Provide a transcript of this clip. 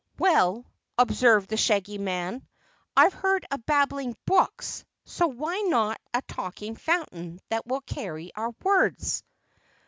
"Well," observed the Shaggy Man, "I've heard of babbling brooks, so why not a talking fountain that will carry our words?"